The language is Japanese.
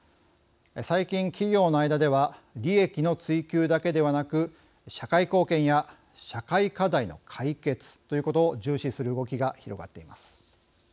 最近、企業の間では利益の追求だけではなく社会貢献や社会課題の解決ということを重視する動きが広がっています。